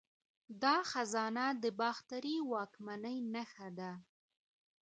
دا خزانه د باختري واکمنۍ نښه ده